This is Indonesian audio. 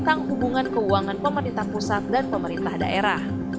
dan dikubah kembali ke uu pemerintah pusat dan pemerintah daerah